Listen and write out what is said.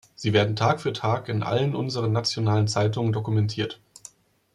Sie werden Tag für Tag in allen unseren nationalen Zeitungen dokumentiert.